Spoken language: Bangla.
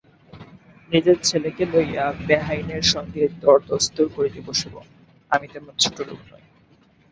নিজের ছেলেকে লইয়া বেহাইয়ের সঙ্গে দরদস্তুর করিতে বসিব, আমি তেমন ছোটো লোক নই।